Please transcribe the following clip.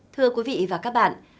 thưa quý vị và các bạn